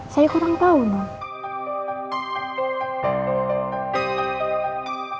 saya kurang tau non